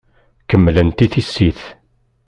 Kemmlent i tissit.